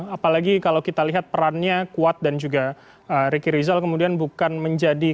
apalagi kalau kita lihat perannya kuat dan juga ricky rizal kemudian bukan menjadi